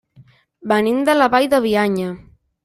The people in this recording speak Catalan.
Venim de la Vall de Bianya.